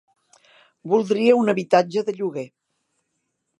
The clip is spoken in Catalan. Voldria un habitatge de lloguer.